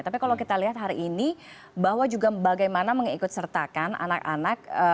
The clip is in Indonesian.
tapi kalau kita lihat hari ini bahwa juga bagaimana mengikut sertakan anak anak